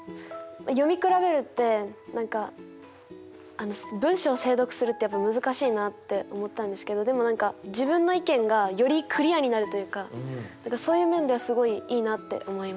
読み比べるって何か文章精読するってやっぱ難しいなって思ったんですけどでも何か自分の意見がよりクリアになるというかそういう面ではすごいいいなって思いました。